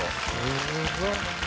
すごい。